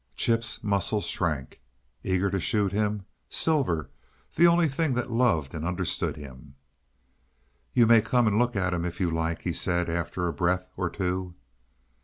Chip's muscles shrank. Eager to shoot him Silver, the only thing that loved and understood him? "You may come and look at him, if you like," he said, after a breath or two.